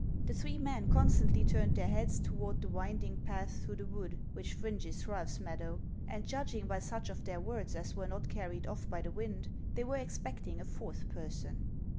The three men constantly turned their heads toward the winding path through the wood which fringes Ralph's meadow, and judging by such of their words as were not carried off by the wind, they were expecting a fourth person.